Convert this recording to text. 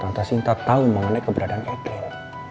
tante sinta tahu mengenai keberadaan edwin